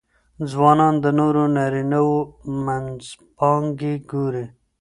ځوانان د نورو نارینهوو منځپانګې ګوري.